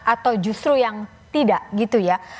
atau justru yang tidak gitu ya